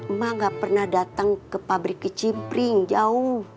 emak gak pernah datang ke pabrik ke cimpring jauh